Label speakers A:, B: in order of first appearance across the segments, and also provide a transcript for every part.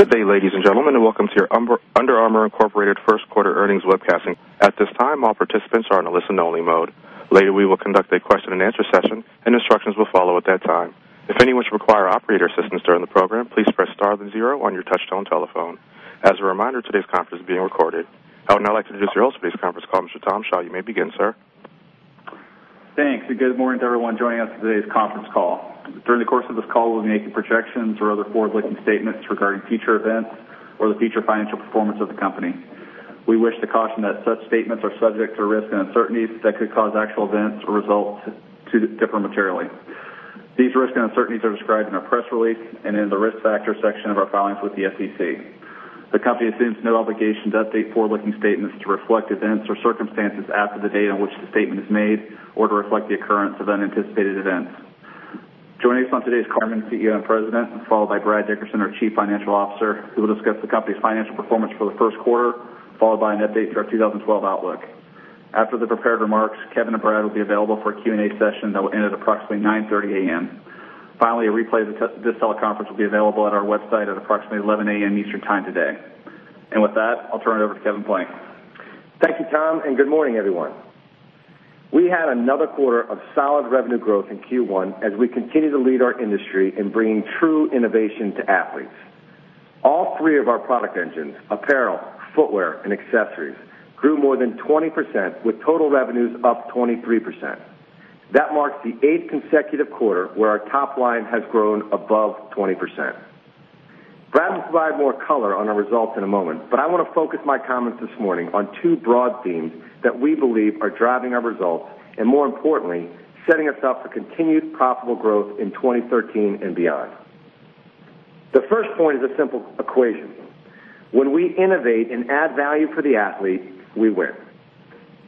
A: Good day, ladies and gentlemen, and welcome to your Under Armour, Inc. first quarter earnings webcast. At this time, all participants are in a listen-only mode. Later, we will conduct a question-and-answer session, and instructions will follow at that time. If anyone should require operator assistance during the program, please press star then zero on your touch-tone telephone. As a reminder, today's conference is being recorded. I would now like to introduce your host for this conference call, Mr. Tom Shaw. You may begin, sir.
B: Thanks. Good morning to everyone joining us for today's conference call. During the course of this call, we'll be making projections or other forward-looking statements regarding future events or the future financial performance of the company. We wish to caution that such statements are subject to risks and uncertainties that could cause actual events or results to differ materially. These risks and uncertainties are described in our press release and in the Risk Factors section of our filings with the SEC. The company assumes no obligation to update forward-looking statements to reflect events or circumstances after the date on which the statement is made or to reflect the occurrence of unanticipated events. Joining us on today's call are Kevin Plank, CEO and President, followed by Brad Dickerson, our Chief Financial Officer, who will discuss the company's financial performance for the first quarter, followed by an update to our 2012 outlook. After the prepared remarks, Kevin and Brad will be available for a Q&A session that will end at approximately 9:30 A.M. Finally, a replay of this teleconference will be available on our website at approximately 11:00 A.M. Eastern Time today. With that, I'll turn it over to Kevin Plank.
C: Thank you, Tom. Good morning, everyone. We had another quarter of solid revenue growth in Q1 as we continue to lead our industry in bringing true innovation to athletes. All three of our product engines, apparel, footwear, and accessories, grew more than 20%, with total revenues up 23%. That marks the eighth consecutive quarter where our top line has grown above 20%. Brad will provide more color on our results in a moment, but I want to focus my comments this morning on two broad themes that we believe are driving our results and, more importantly, setting us up for continued profitable growth in 2013 and beyond. The first point is a simple equation. When we innovate and add value for the athlete, we win.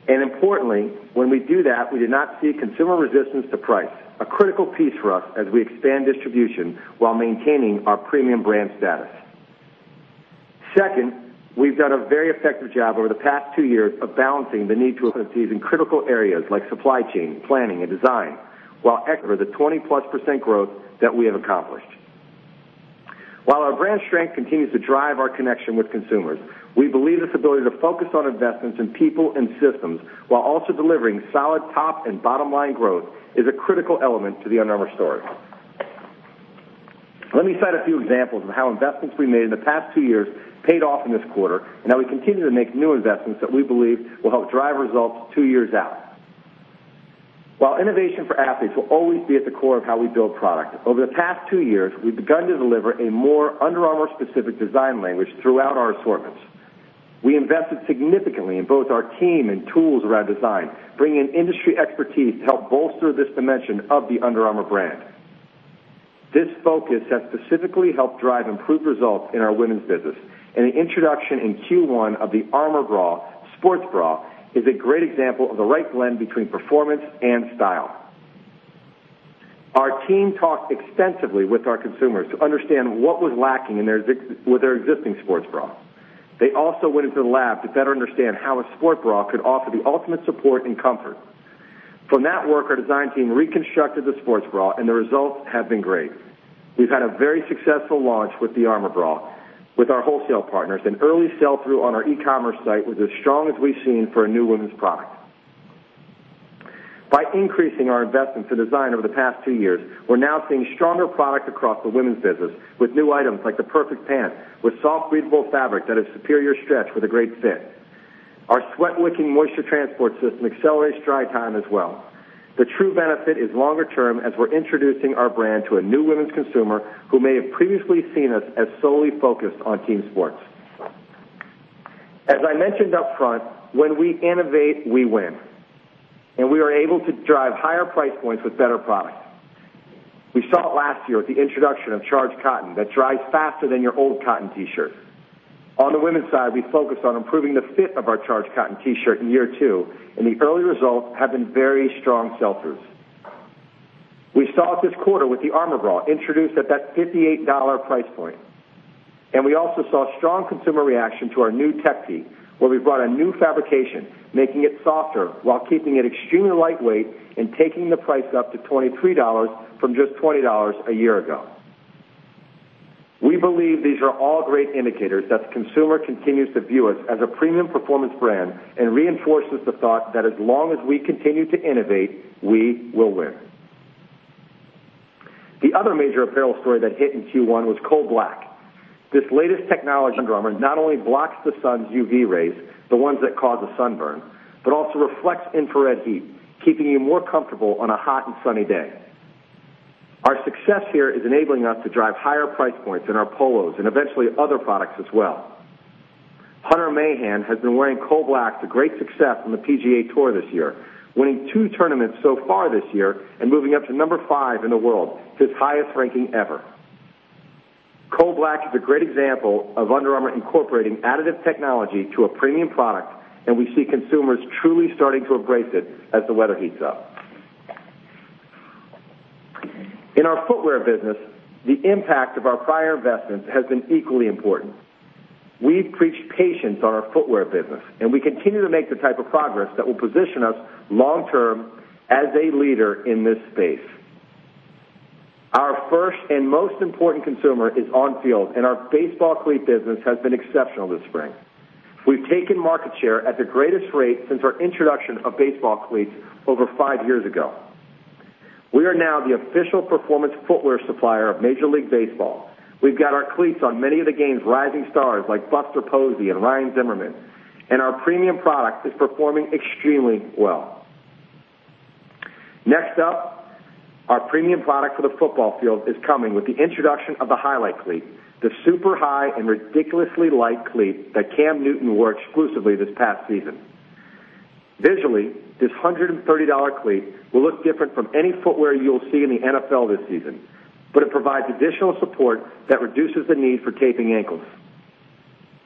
C: Importantly, when we do that, we do not see consumer resistance to price, a critical piece for us as we expand distribution while maintaining our premium brand status. Second, we've done a very effective job over the past two years of balancing the need to invest in critical areas like supply chain, planning, and design, while executing for the 20-plus % growth that we have accomplished. While our brand strength continues to drive our connection with consumers, we believe this ability to focus on investments in people and systems while also delivering solid top and bottom-line growth is a critical element to the Under Armour story. Let me cite a few examples of how investments we made in the past two years paid off in this quarter and how we continue to make new investments that we believe will help drive results two years out. While innovation for athletes will always be at the core of how we build product, over the past two years, we've begun to deliver a more Under Armour-specific design language throughout our assortments. We invested significantly in both our team and tools around design, bringing industry expertise to help bolster this dimension of the Under Armour brand. This focus has specifically helped drive improved results in our women's business, and the introduction in Q1 of the Armour Bra sports bra is a great example of the right blend between performance and style. Our team talked extensively with our consumers to understand what was lacking with their existing sports bras. They also went into the lab to better understand how a sport bra could offer the ultimate support and comfort. From that work, our design team reconstructed the sports bra, and the results have been great. We've had a very successful launch with the Armour Bra with our wholesale partners. An early sell-through on our e-commerce site was as strong as we've seen for a new women's product. By increasing our investments in design over the past two years, we're now seeing stronger product across the women's business with new items like the Perfect Pant with soft, breathable fabric that has superior stretch with a great fit. Our sweat-wicking Moisture Transport System accelerates dry time as well. The true benefit is longer-term as we're introducing our brand to a new women's consumer who may have previously seen us as solely focused on team sports. As I mentioned upfront, when we innovate, we win, and we are able to drive higher price points with better product. We saw it last year with the introduction of Charged Cotton that dries faster than your old cotton T-shirt. On the women's side, we focused on improving the fit of our Charged Cotton T-shirt in year two, and the early results have been very strong sell-throughs. We saw it this quarter with the Armour Bra, introduced at that $58 price point. We also saw strong consumer reaction to our new Tech Tee, where we brought a new fabrication, making it softer while keeping it extremely lightweight and taking the price up to $23 from just $20 a year ago. We believe these are all great indicators that the consumer continues to view us as a premium performance brand and reinforces the thought that as long as we continue to innovate, we will win. The other major apparel story that hit in Q1 was coldblack. This latest technology from Under Armour not only blocks the sun's UV rays, the ones that cause a sunburn, but also reflects infrared heat, keeping you more comfortable on a hot and sunny day. Our success here is enabling us to drive higher price points in our polos and eventually other products as well. Hunter Mahan has been wearing coldblack to great success on the PGA Tour this year, winning two tournaments so far this year and moving up to number 5 in the world, his highest ranking ever. coldblack is a great example of Under Armour incorporating additive technology to a premium product. We see consumers truly starting to embrace it as the weather heats up. In our footwear business, the impact of our prior investments has been equally important. We preach patience on our footwear business. We continue to make the type of progress that will position us long-term as a leader in this space. Our first and most important consumer is on field. Our baseball cleat business has been exceptional this spring. We've taken market share at the greatest rate since our introduction of baseball cleats over five years ago. We are now the official performance footwear supplier of Major League Baseball. We've got our cleats on many of the game's rising stars, like Buster Posey and Ryan Zimmerman. Our premium product is performing extremely well. Next up, our premium product for the football field is coming with the introduction of the Highlight cleat, the super high and ridiculously light cleat that Cam Newton wore exclusively this past season. Visually, this $130 cleat will look different from any footwear you will see in the NFL this season. It provides additional support that reduces the need for taping ankles.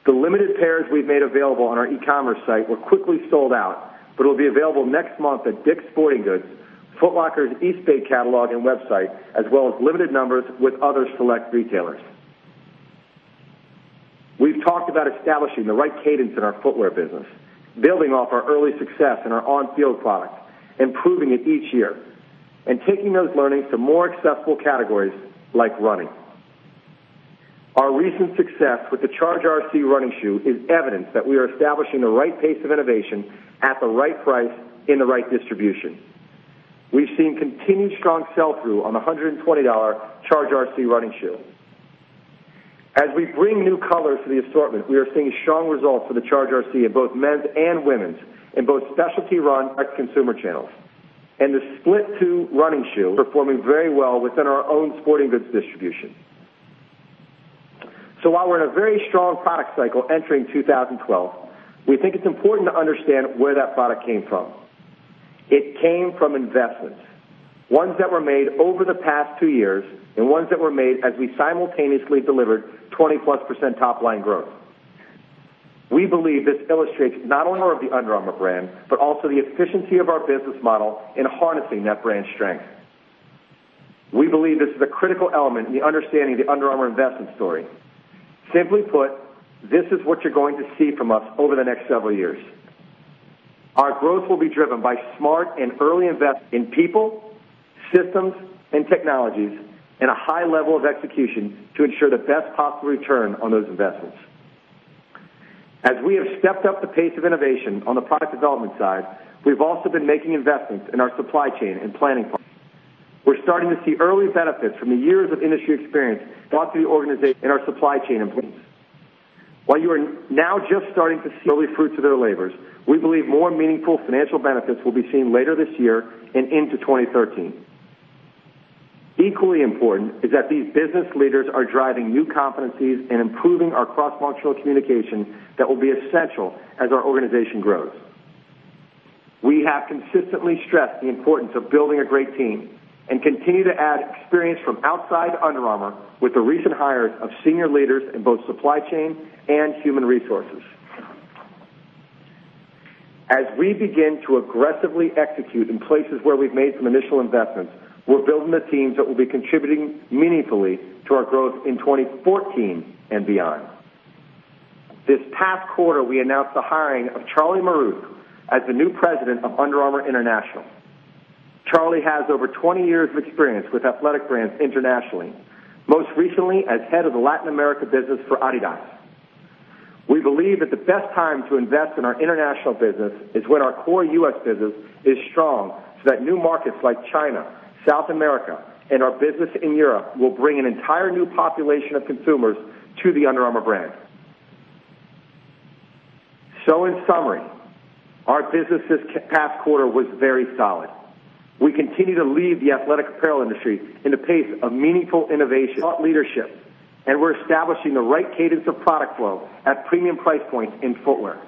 C: The limited pairs we've made available on our e-commerce site were quickly sold out. It will be available next month at DICK'S Sporting Goods, Foot Locker's Eastbay catalog and website, as well as limited numbers with other select retailers. We've talked about establishing the right cadence in our footwear business, building off our early success in our on-field products, improving it each year, and taking those learnings to more accessible categories like running. Our recent success with the Charge RC running shoe is evidence that we are establishing the right pace of innovation at the right price in the right distribution. We've seen continued strong sell-through on the $120 Charge RC running shoe. As we bring new colors to the assortment, we are seeing strong results for the Charge RC in both men's and women's, in both specialty run at consumer channels. The Split2 running shoe is performing very well within our own sporting goods distribution. While we're in a very strong product cycle entering 2012, we think it's important to understand where that product came from. It came from investments, ones that were made over the past two years and ones that were made as we simultaneously delivered 20+% top-line growth. We believe this illustrates not only the Under Armour brand, but also the efficiency of our business model in harnessing that brand strength. We believe this is a critical element in understanding the Under Armour investment story. Simply put, this is what you're going to see from us over the next several years. Our growth will be driven by smart and early investment in people, systems, and technologies, and a high level of execution to ensure the best possible return on those investments. As we have stepped up the pace of innovation on the product development side, we've also been making investments in our supply chain and planning partners. We're starting to see early benefits from the years of industry experience brought to the organization and our supply chain improvements. While you are now just starting to see early fruits of their labors, we believe more meaningful financial benefits will be seen later this year and into 2013. Equally important is that these business leaders are driving new competencies and improving our cross-functional communication that will be essential as our organization grows. We have consistently stressed the importance of building a great team and continue to add experience from outside Under Armour with the recent hires of senior leaders in both supply chain and human resources. As we begin to aggressively execute in places where we've made some initial investments, we're building the teams that will be contributing meaningfully to our growth in 2014 and beyond. This past quarter, we announced the hiring of Charlie Maurath as the new president of Under Armour International. Charlie has over 20 years of experience with athletic brands internationally, most recently as head of the Latin America business for Adidas. We believe that the best time to invest in our international business is when our core U.S. business is strong, so that new markets like China, South America, and our business in Europe will bring an entire new population of consumers to the Under Armour brand. In summary, our business this past quarter was very solid. We continue to lead the athletic apparel industry in the pace of meaningful innovation, thought leadership, and we're establishing the right cadence of product flow at premium price points in footwear.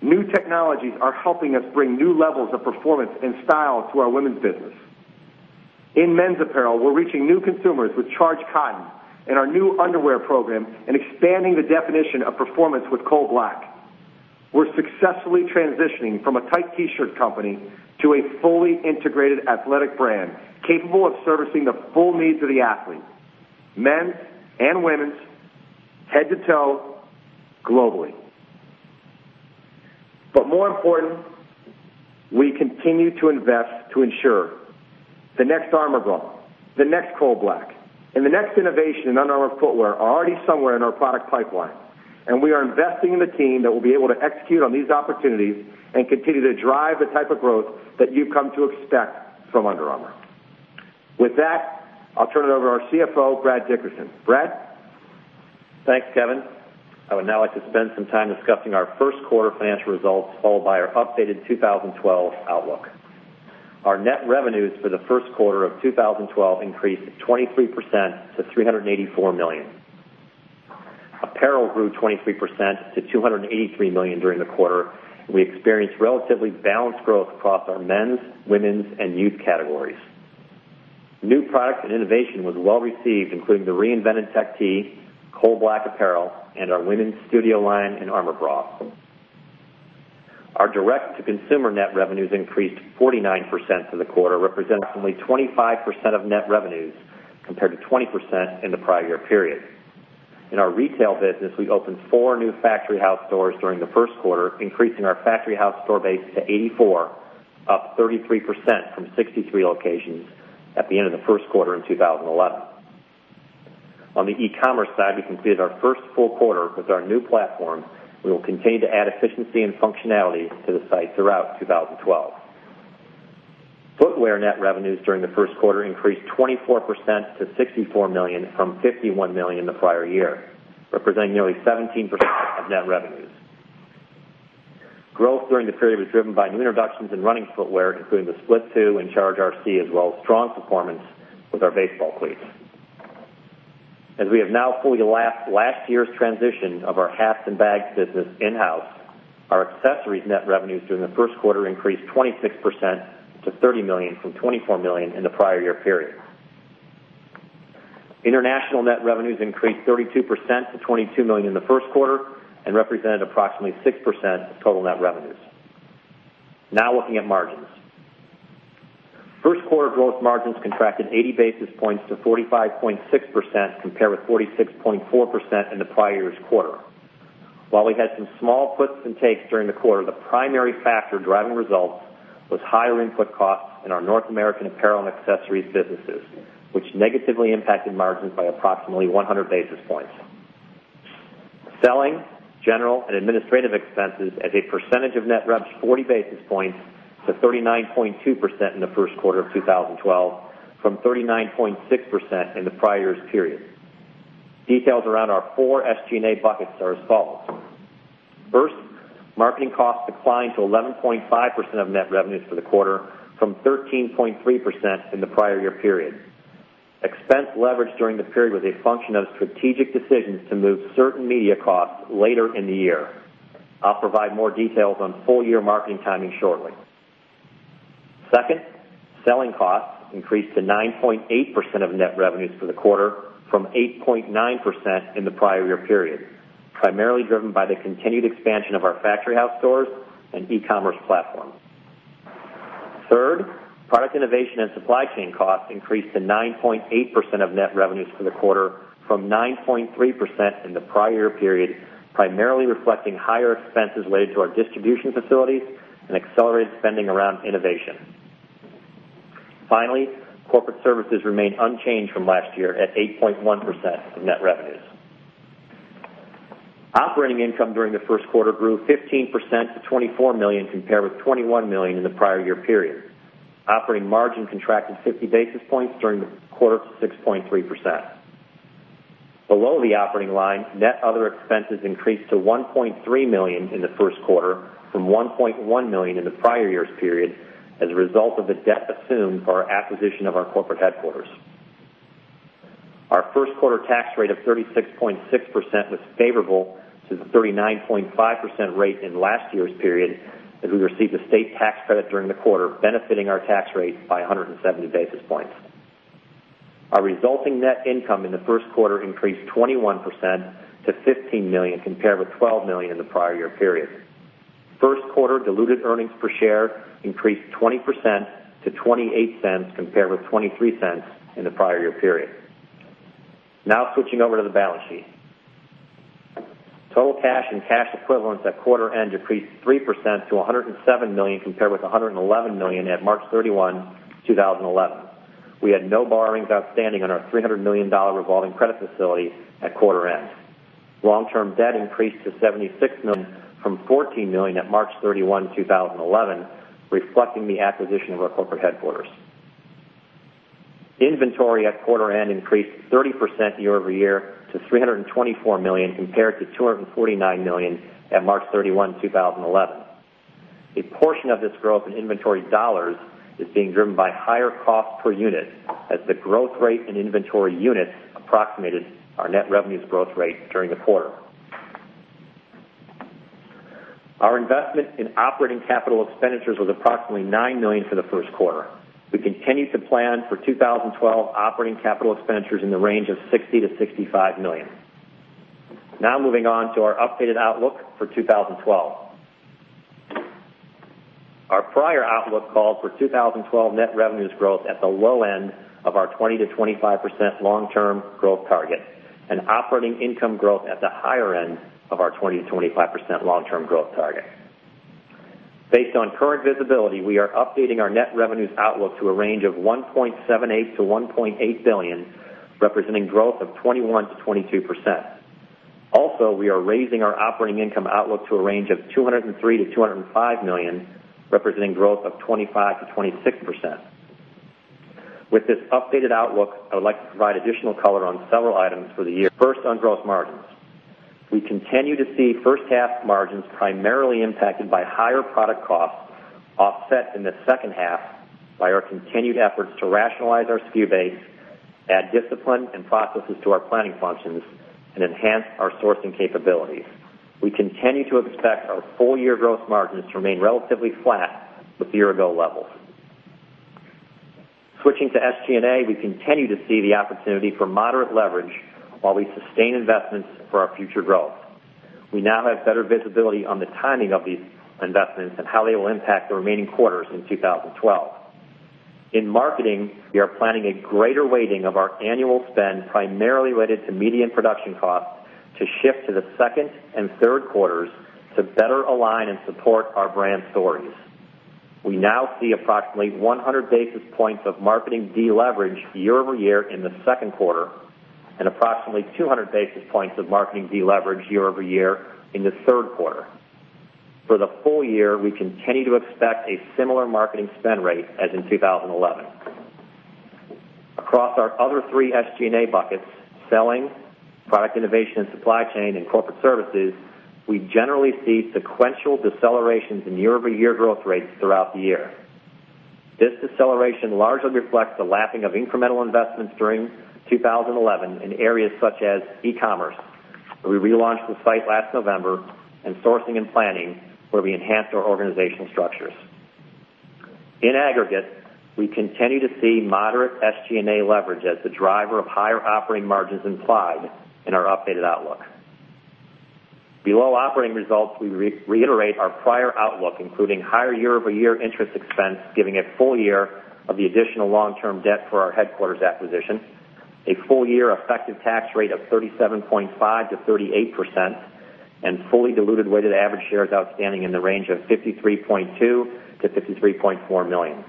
C: New technologies are helping us bring new levels of performance and style to our women's business. In men's apparel, we're reaching new consumers with Charged Cotton and our new underwear program and expanding the definition of performance with coldblack. More important, we continue to invest to ensure the next Armour Bra, the next coldblack, and the next innovation in Under Armour footwear are already somewhere in our product pipeline. We are investing in the team that will be able to execute on these opportunities and continue to drive the type of growth that you've come to expect from Under Armour. With that, I'll turn it over to our CFO, Brad Dickerson. Brad?
D: Thanks, Kevin. I would now like to spend some time discussing our first quarter financial results, followed by our updated 2012 outlook. Our net revenues for the first quarter of 2012 increased 23% to $384 million. Apparel grew 23% to $283 million during the quarter. We experienced relatively balanced growth across our men's, women's, and youth categories. New product and innovation was well received, including the reinvented Tech Tee, coldblack apparel, and our Women's Studio line and Armour Bra. Our direct-to-consumer net revenues increased 49% for the quarter, representing approximately 25% of net revenues, compared to 20% in the prior year period. In our retail business, we opened four new Factory House stores during the first quarter, increasing our Factory House store base to 84, up 33% from 63 locations at the end of the first quarter in 2011. On the e-commerce side, we completed our first full quarter with our new platform. We will continue to add efficiency and functionality to the site throughout 2012. Footwear net revenues during the first quarter increased 24% to $64 million from $51 million the prior year, representing nearly 17% of net revenues. Growth during the period was driven by new introductions in running footwear, including the Split 2 and Charge RC, as well as strong performance with our baseball cleats. As we have now fully lapped last year's transition of our hats and bags business in-house, our accessories net revenues during the first quarter increased 26% to $30 million from $24 million in the prior year period. International net revenues increased 32% to $22 million in the first quarter and represented approximately 6% of total net revenues. Now looking at margins. First quarter gross margins contracted 80 basis points to 45.6%, compared with 46.4% in the prior year's quarter. While we had some small puts and takes during the quarter, the primary factor driving results was higher input costs in our North American apparel and accessories businesses, which negatively impacted margins by approximately 100 basis points. Selling, general, and administrative expenses as a percentage of net revs, 40 basis points to 39.2% in the first quarter of 2012 from 39.6% in the prior year's period. Details around our four SG&A buckets are as follows. First, marketing costs declined to 11.5% of net revenues for the quarter from 13.3% in the prior year period. Expense leverage during the period was a function of strategic decisions to move certain media costs later in the year. I'll provide more details on full-year marketing timing shortly. Second, selling costs increased to 9.8% of net revenues for the quarter from 8.9% in the prior year period, primarily driven by the continued expansion of our Factory House stores and e-commerce platform. Third, product innovation and supply chain costs increased to 9.8% of net revenues for the quarter from 9.3% in the prior year period, primarily reflecting higher expenses related to our distribution facilities and accelerated spending around innovation. Finally, corporate services remained unchanged from last year at 8.1% of net revenues. Operating income during the first quarter grew 15% to $24 million, compared with $21 million in the prior year period. Operating margin contracted 50 basis points during the quarter to 6.3%. Below the operating line, net other expenses increased to $1.3 million in the first quarter from $1.1 million in the prior year's period as a result of the debt assumed for our acquisition of our corporate headquarters. Our first quarter tax rate of 36.6% was favorable to the 39.5% rate in last year's period, as we received a state tax credit during the quarter benefiting our tax rate by 170 basis points. Our resulting net income in the first quarter increased 21% to $15 million, compared with $12 million in the prior year period. First quarter diluted earnings per share increased 20% to $0.28, compared with $0.23 in the prior year period. Now switching over to the balance sheet. Total cash and cash equivalents at quarter end decreased 3% to $107 million, compared with $111 million at March 31, 2011. We had no borrowings outstanding on our $300 million revolving credit facility at quarter end. Long-term debt increased to $76 million from $14 million at March 31, 2011, reflecting the acquisition of our corporate headquarters. Inventory at quarter end increased 30% year-over-year to $324 million, compared to $249 million at March 31, 2011. A portion of this growth in inventory dollars is being driven by higher cost per unit as the growth rate in inventory units approximated our net revenues growth rate during the quarter. Our investment in operating capital expenditures was approximately $9 million for the first quarter. We continue to plan for 2012 operating capital expenditures in the range of $60 million-$65 million. Now moving on to our updated outlook for 2012. Our prior outlook called for 2012 net revenues growth at the low end of our 20%-25% long-term growth target and operating income growth at the higher end of our 20%-25% long-term growth target. Based on current visibility, we are updating our net revenues outlook to a range of $1.78 billion-$1.8 billion, representing growth of 21%-22%. Also, we are raising our operating income outlook to a range of $203 million-$205 million, representing growth of 25%-26%. With this updated outlook, I would like to provide additional color on several items for the year. First, on gross margins. We continue to see first half margins primarily impacted by higher product costs offset in the second half by our continued efforts to rationalize our SKU base, add discipline and processes to our planning functions, and enhance our sourcing capabilities. We continue to expect our full-year gross margins to remain relatively flat with year-ago levels. Switching to SG&A, we continue to see the opportunity for moderate leverage while we sustain investments for our future growth. We now have better visibility on the timing of these investments and how they will impact the remaining quarters in 2012. In marketing, we are planning a greater weighting of our annual spend, primarily related to media and production costs, to shift to the second and third quarters to better align and support our brand stories. We now see approximately 100 basis points of marketing deleverage year-over-year in the second quarter and approximately 200 basis points of marketing deleverage year-over-year in the third quarter. For the full year, we continue to expect a similar marketing spend rate as in 2011. Across our other three SG&A buckets, selling, product innovation and supply chain, and corporate services, we generally see sequential decelerations in year-over-year growth rates throughout the year. This deceleration largely reflects the lapping of incremental investments during 2011 in areas such as e-commerce, where we relaunched the site last November, and sourcing and planning, where we enhanced our organizational structures. In aggregate, we continue to see moderate SG&A leverage as the driver of higher operating margins implied in our updated outlook. Below operating results, we reiterate our prior outlook, including higher year-over-year interest expense, giving a full year of the additional long-term debt for our headquarters acquisition, a full-year effective tax rate of 37.5%-38%, and fully diluted weighted average shares outstanding in the range of 53.2 million-53.4 million.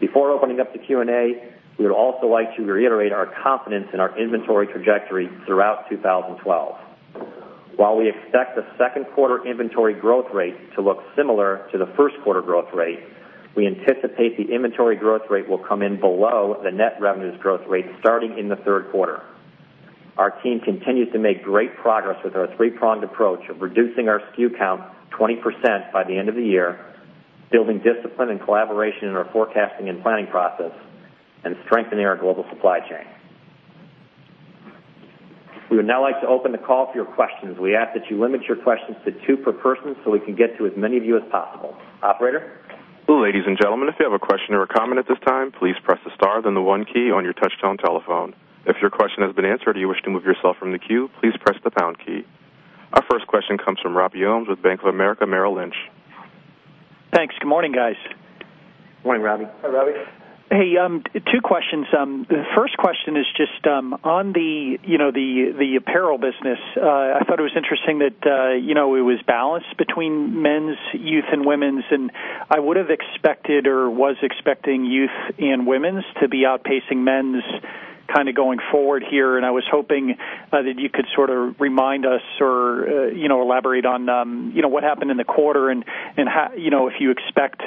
D: Before opening up to Q&A, we would also like to reiterate our confidence in our inventory trajectory throughout 2012. While we expect the second quarter inventory growth rate to look similar to the first quarter growth rate, we anticipate the inventory growth rate will come in below the net revenues growth rate starting in the third quarter. Our team continues to make great progress with our three-pronged approach of reducing our SKU count 20% by the end of the year, building discipline and collaboration in our forecasting and planning process, and strengthening our global supply chain. We would now like to open the call to your questions. We ask that you limit your questions to two per person so we can get to as many of you as possible. Operator?
A: Ladies and gentlemen, if you have a question or a comment at this time, please press the star, then the one key on your touchtone telephone. If your question has been answered or you wish to move yourself from the queue, please press the pound key. Our first question comes from Robert Ohmes with Bank of America Merrill Lynch.
E: Thanks. Good morning, guys.
D: Morning, Robby.
C: Hi, Robby.
E: Hey, two questions. First question is just on the apparel business. I thought it was interesting that it was balanced between men's, youth, and women's. I would have expected or was expecting youth and women's to be outpacing men's going forward here. I was hoping that you could sort of remind us or elaborate on what happened in the quarter and if you expect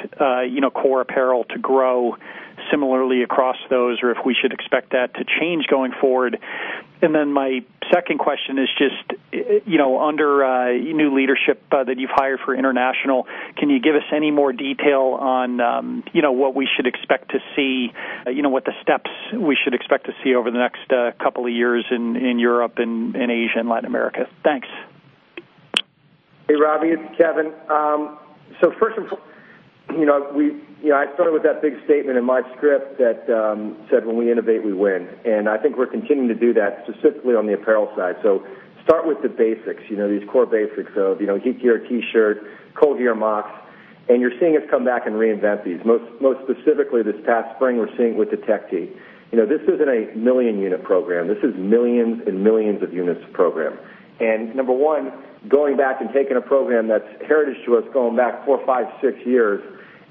E: core apparel to grow similarly across those or if we should expect that to change going forward. My second question is just under new leadership that you've hired for international, can you give us any more detail on what the steps we should expect to see over the next couple of years in Europe and Asia and Latin America? Thanks.
C: Hey, Robby, it's Kevin. First and foremost, I started with that big statement in my script that said, "When we innovate, we win." I think we're continuing to do that specifically on the apparel side. Start with the basics, these core basics of HeatGear T-shirt, ColdGear mocks, and you're seeing us come back and reinvent these. Most specifically this past spring, we're seeing it with the Tech Tee. This isn't a million-unit program. This is millions and millions of units program. Number one, going back and taking a program that's heritage to us going back four, five, six years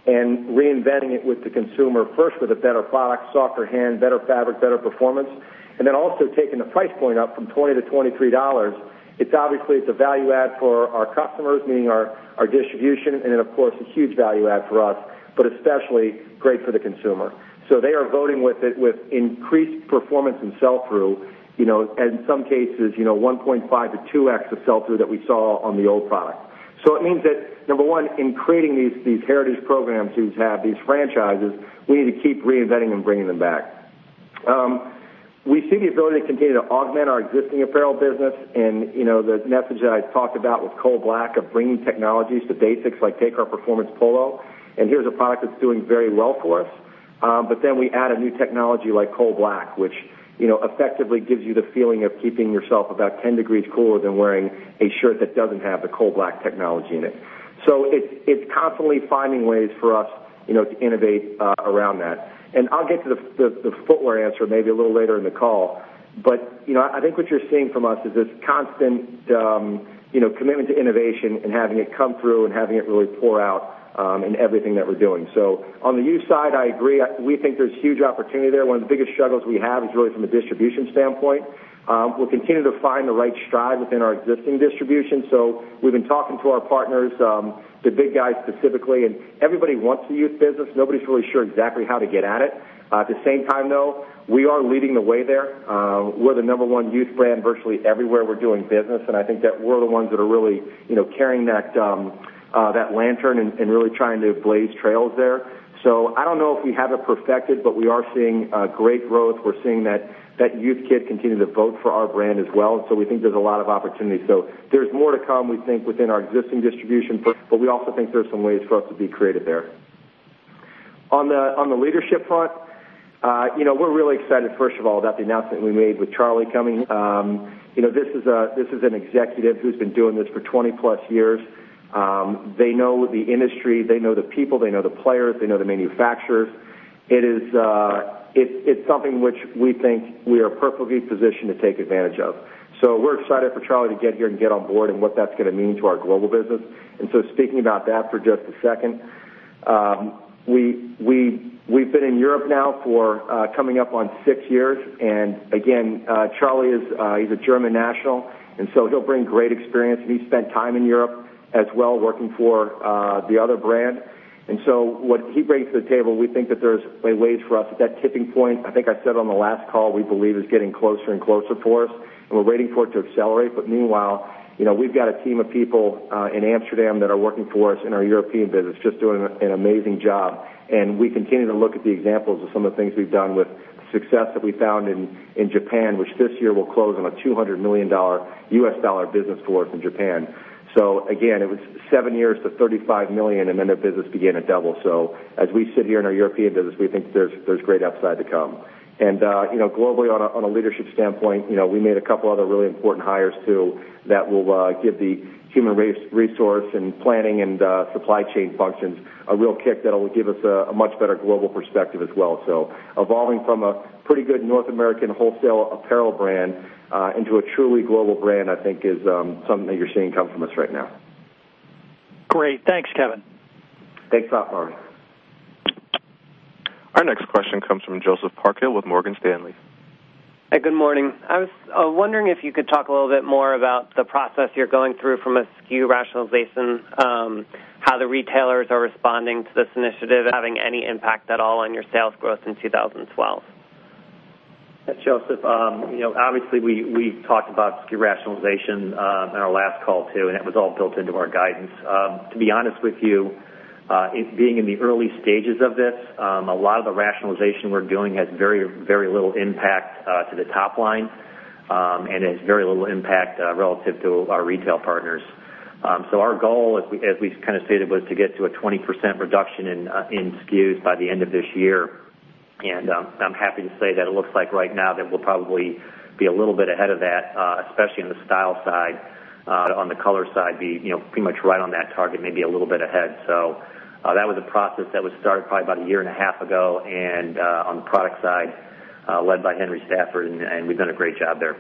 C: and reinventing it with the consumer, first with a better product, softer hand, better fabric, better performance, also taking the price point up from $20 to $23, it's obviously, it's a value add for our customers, meaning our distribution, then of course, a huge value add for us, but especially great for the consumer. They are voting with increased performance and sell-through, and in some cases, 1.5 to 2x the sell-through that we saw on the old product. It means that, number one, in creating these heritage programs, these franchises, we need to keep reinventing and bringing them back. We see the ability to continue to augment our existing apparel business, the message that I talked about with coldblack of bringing technologies to basics like take our performance polo, here's a product that's doing very well for us. We add a new technology like coldblack, which effectively gives you the feeling of keeping yourself about 10 degrees cooler than wearing a shirt that doesn't have the coldblack technology in it. It's constantly finding ways for us to innovate around that. I'll get to the footwear answer maybe a little later in the call. I think what you're seeing from us is this constant commitment to innovation and having it come through and having it really pour out in everything that we're doing. On the youth side, I agree. We think there's huge opportunity there. One of the biggest struggles we have is really from a distribution standpoint. We'll continue to find the right stride within our existing distribution. We've been talking to our partners, the big guys specifically, everybody wants the youth business. Nobody's really sure exactly how to get at it. At the same time, though, we are leading the way there. We're the number one youth brand virtually everywhere we're doing business, I think that we're the ones that are really carrying that lantern and really trying to blaze trails there. I don't know if we have it perfected, but we are seeing great growth. We're seeing that youth kid continue to vote for our brand as well. We think there's a lot of opportunity. There's more to come, we think, within our existing distribution, but we also think there's some ways for us to be creative there. On the leadership front, we're really excited, first of all, about the announcement we made with Charlie coming. This is an executive who's been doing this for 20 plus years. They know the industry, they know the people, they know the players, they know the manufacturers. It's something which we think we are perfectly positioned to take advantage of. We're excited for Charlie to get here and get on board and what that's going to mean to our global business. Speaking about that for just a second. We've been in Europe now for coming up on six years. Again, Charlie, he's a German national, so he'll bring great experience, he spent time in Europe as well working for the other brand. What he brings to the table, we think that there's a way for us at that tipping point, I think I said on the last call, we believe is getting closer and closer for us, we're waiting for it to accelerate. Meanwhile, we've got a team of people in Amsterdam that are working for us in our European business, just doing an amazing job. We continue to look at the examples of some of the things we've done with success that we found in Japan, which this year will close on a $200 million U.S. dollar business for us in Japan. Again, it was seven years to $35 million, their business began to double. As we sit here in our European business, we think there's great upside to come. Globally on a leadership standpoint, we made a couple other really important hires too that will give the human resource and planning and supply chain functions a real kick that'll give us a much better global perspective as well. Evolving from a pretty good North American wholesale apparel brand into a truly global brand, I think is something that you're seeing come from us right now.
E: Great. Thanks, Kevin.
C: Thanks a lot, Robby.
A: Our next question comes from Jay Sole with Morgan Stanley.
F: Hi, good morning. I was wondering if you could talk a little bit more about the process you're going through from a SKU rationalization, how the retailers are responding to this initiative, having any impact at all on your sales growth in 2012.
D: Joseph, obviously we talked about SKU rationalization on our last call too, and that was all built into our guidance. To be honest with you, it being in the early stages of this, a lot of the rationalization we're doing has very little impact to the top line, and has very little impact relative to our retail partners. Our goal, as we kind of stated, was to get to a 20% reduction in SKUs by the end of this year. I'm happy to say that it looks like right now that we'll probably be a little bit ahead of that, especially on the style side, on the color side, be pretty much right on that target, maybe a little bit ahead. That was a process that was started probably about a year and a half ago, and on the product side, led by Henry Stafford, and we've done a great job there.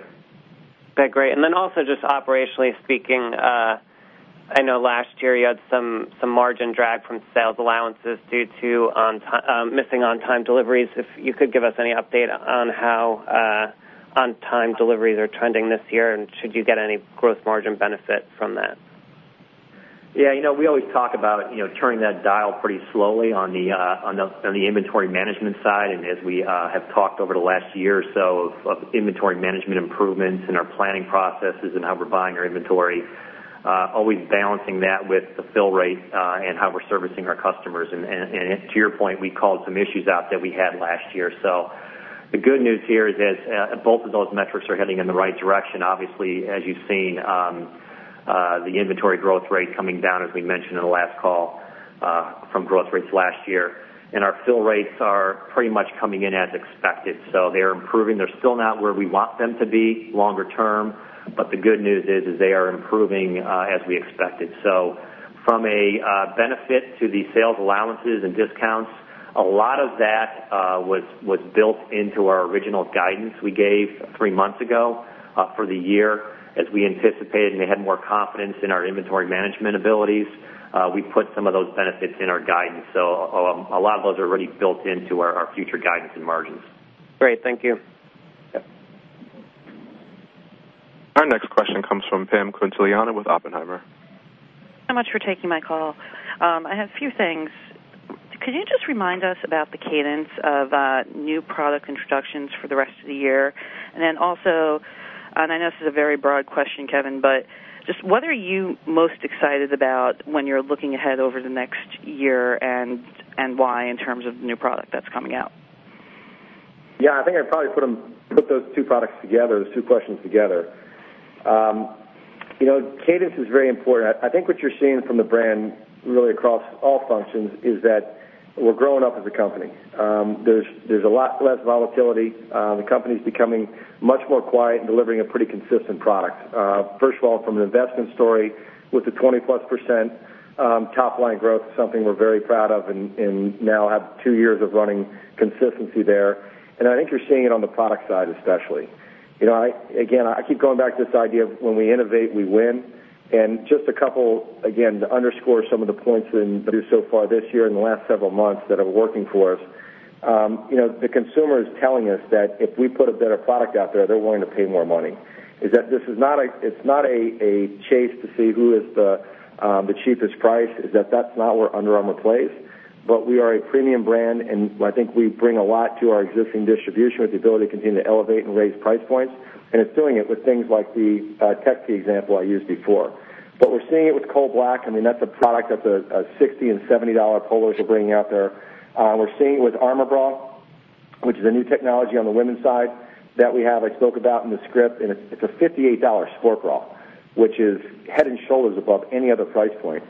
F: Okay, great. Also just operationally speaking, I know last year you had some margin drag from sales allowances due to missing on-time deliveries. If you could give us any update on how on-time deliveries are trending this year, and should you get any gross margin benefit from that?
D: Yeah, we always talk about turning that dial pretty slowly on the inventory management side. As we have talked over the last year or so of inventory management improvements in our planning processes and how we're buying our inventory, always balancing that with the fill rate and how we're servicing our customers. To your point, we called some issues out that we had last year. The good news here is that both of those metrics are heading in the right direction. Obviously, as you've seen, the inventory growth rate coming down, as we mentioned in the last call, from growth rates last year. Our fill rates are pretty much coming in as expected. They are improving. They're still not where we want them to be longer term, but the good news is they are improving as we expected. From a benefit to the sales allowances and discounts, a lot of that was built into our original guidance we gave 3 months ago for the year. As we anticipated and we had more confidence in our inventory management abilities, we put some of those benefits in our guidance. A lot of those are already built into our future guidance and margins.
F: Great. Thank you.
D: Yep.
A: Our next question comes from Pamela Quintiliano with Oppenheimer.
G: So much for taking my call. I have a few things. Could you just remind us about the cadence of new product introductions for the rest of the year? Also, I know this is a very broad question, Kevin, what are you most excited about when you're looking ahead over the next year and why in terms of new product that's coming out?
C: I think I'd probably put those two products together, those two questions together. Cadence is very important. I think what you're seeing from the brand really across all functions is that we're growing up as a company. There's a lot less volatility. The company's becoming much more quiet and delivering a pretty consistent product. First of all, from an investment story with the 20-plus % top line growth is something we're very proud of and now have two years of running consistency there. I think you're seeing it on the product side, especially. Again, I keep going back to this idea of when we innovate, we win. Just a couple, again, to underscore some of the points that we've done so far this year in the last several months that are working for us. The consumer is telling us that if we put a better product out there, they're willing to pay more money. It's not a chase to see who is the cheapest price, is that that's not where Under Armour plays. We are a premium brand, and I think we bring a lot to our existing distribution with the ability to continue to elevate and raise price points. It's doing it with things like the Tech Tee example I used before. We're seeing it with coldblack. I mean, that's a product that's a $60 and $70 polos we're bringing out there. We're seeing it with Armour Bra. Which is a new technology on the women's side that we have, I spoke about in the script. It's a $58 sport bra. Which is head and shoulders above any other price point.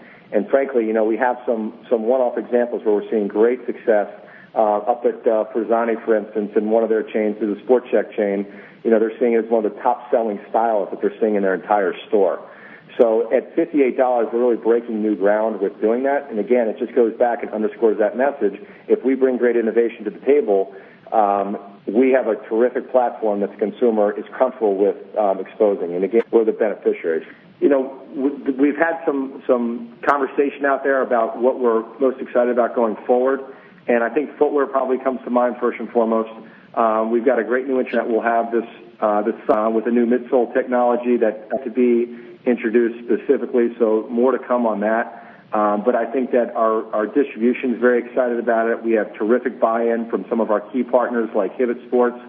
C: Frankly, we have some one-off examples where we're seeing great success up at Forzani, for instance, in one of their chains, it's a Sport Chek chain. They're seeing it as one of the top-selling styles that they're seeing in their entire store. At $58, we're really breaking new ground with doing that. Again, it just goes back and underscores that message. If we bring great innovation to the table, we have a terrific platform that the consumer is comfortable with exposing. Again, we're the beneficiaries. We've had some conversation out there about what we're most excited about going forward. I think footwear probably comes to mind first and foremost. We've got a great new entrant that we'll have that's with a new midsole technology that could be introduced specifically. More to come on that. I think that our distribution is very excited about it. We have terrific buy-in from some of our key partners like Hibbett Sports.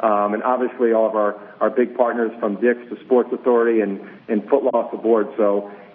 C: Obviously all of our big partners from Dick's to Sports Authority and footwear off the board.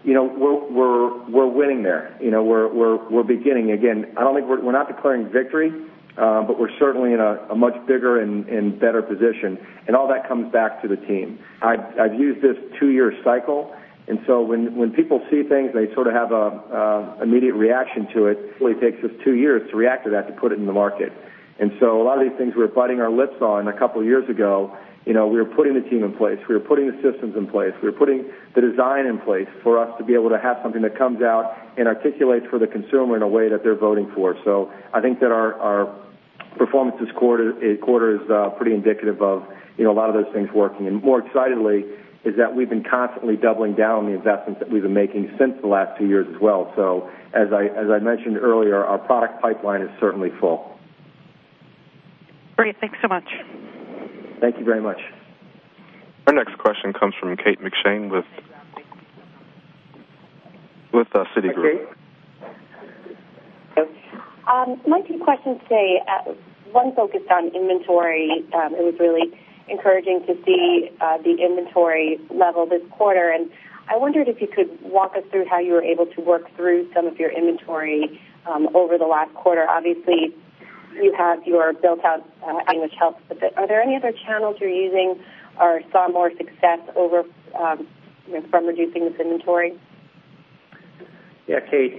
C: We're winning there. We're beginning. Again, we're not declaring victory, but we're certainly in a much bigger and better position. All that comes back to the team. I've used this two-year cycle. When people see things, they sort of have an immediate reaction to it. Usually takes us two years to react to that, to put it in the market. A lot of these things we're biting our lips on a couple of years ago, we were putting the team in place, we were putting the systems in place, we were putting the design in place for us to be able to have something that comes out and articulates for the consumer in a way that they're voting for. I think that our performance this quarter is pretty indicative of a lot of those things working. More excitedly is that we've been constantly doubling down on the investments that we've been making since the last two years as well. As I mentioned earlier, our product pipeline is certainly full.
G: Great. Thanks so much.
C: Thank you very much.
A: Our next question comes from Kate McShane with Citigroup.
C: Hi, Kate.
H: My two questions today, one focused on inventory. It was really encouraging to see the inventory level this quarter, and I wondered if you could walk us through how you were able to work through some of your inventory over the last quarter. Obviously, you have your built-out outlet, which helps a bit. Are there any other channels you're using or saw more success over from reducing this inventory?
D: Kate.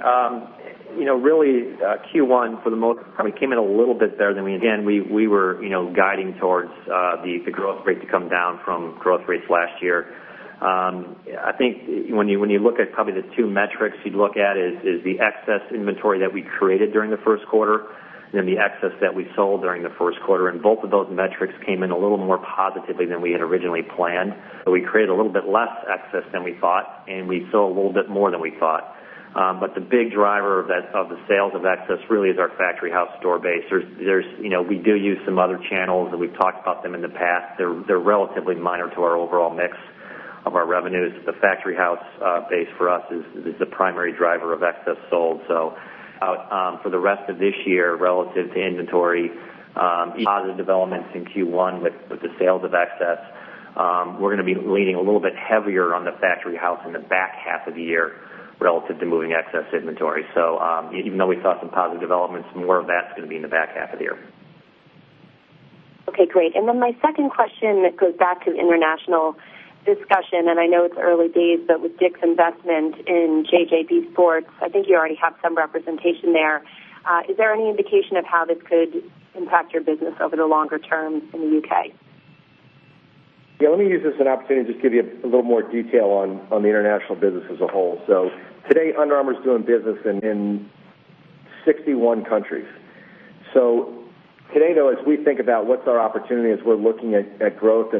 D: Q1 for the most part, we came in a little bit better than we were guiding towards the growth rate to come down from growth rates last year. I think when you look at probably the two metrics you'd look at is the excess inventory that we created during the first quarter and then the excess that we sold during the first quarter. Both of those metrics came in a little more positively than we had originally planned. We created a little bit less excess than we thought, and we sold a little bit more than we thought. The big driver of the sales of excess really is our Factory House store base. We do use some other channels, and we've talked about them in the past. They're relatively minor to our overall mix of our revenues. The Factory House base for us is the primary driver of excess sold. For the rest of this year, relative to inventory, positive developments in Q1 with the sales of excess. We're going to be leaning a little bit heavier on the Factory House in the back half of the year relative to moving excess inventory. Even though we saw some positive developments, more of that's going to be in the back half of the year.
H: Okay, great. My second question goes back to the international discussion, and I know it's early days, but with Dick's investment in JJB Sports, I think you already have some representation there. Is there any indication of how this could impact your business over the longer term in the U.K.?
C: Yeah, let me use this as an opportunity to just give you a little more detail on the international business as a whole. Today, Under Armour's doing business in 61 countries. Today, though, as we think about what's our opportunity as we're looking at growth,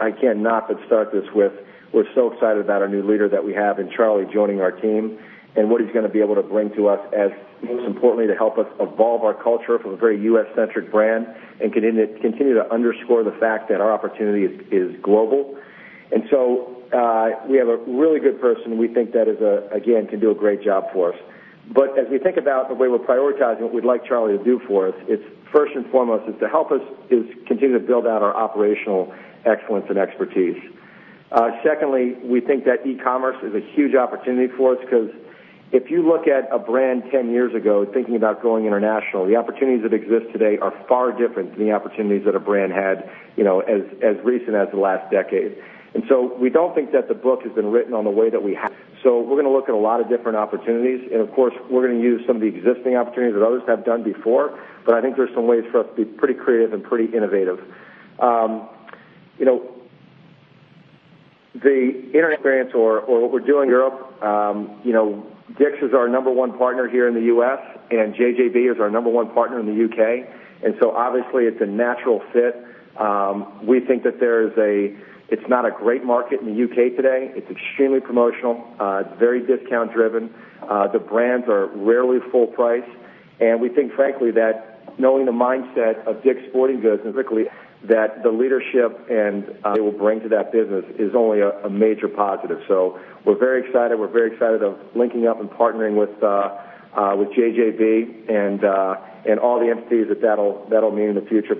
C: I cannot but start this with we're so excited about our new leader that we have in Charlie joining our team and what he's going to be able to bring to us as most importantly, to help us evolve our culture from a very U.S.-centric brand and continue to underscore the fact that our opportunity is global. We have a really good person we think that, again, can do a great job for us. As we think about the way we're prioritizing what we'd like Charlie Maurath to do for us, it's first and foremost, is to help us continue to build out our operational excellence and expertise. Secondly, we think that e-commerce is a huge opportunity for us because if you look at a brand 10 years ago, thinking about going international, the opportunities that exist today are far different than the opportunities that a brand had as recent as the last decade. We don't think that the book has been written on the way that we have. We're going to look at a lot of different opportunities, and of course, we're going to use some of the existing opportunities that others have done before. I think there's some ways for us to be pretty creative and pretty innovative. The internet experience or what we're doing in Europe, Dick's is our number one partner here in the U.S., JJB is our number one partner in the U.K., obviously it's a natural fit. We think that it's not a great market in the U.K. today. It's extremely promotional. It's very discount-driven. The brands are rarely full price. We think, frankly, that knowing the mindset of Dick's Sporting Goods and particularly that the leadership they will bring to that business is only a major positive. We're very excited. We're very excited of linking up and partnering with JJB and all the entities that'll mean in the future.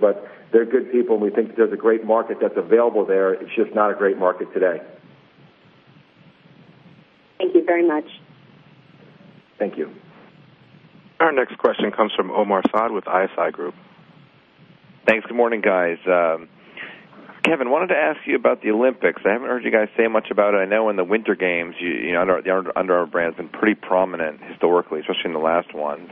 C: They're good people, and we think that there's a great market that's available there. It's just not a great market today.
H: Thank you very much.
C: Thank you.
A: Our next question comes from Omar Saad with ISI Group.
I: Thanks. Good morning, guys. Kevin, wanted to ask you about the Olympics. I haven't heard you guys say much about it. I know in the Winter Games, the Under Armour brand's been pretty prominent historically, especially in the last ones.